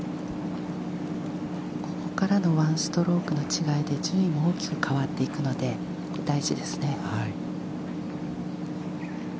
ここからの１ストロークの違いで順位も大きく変わっていくので大事ですね。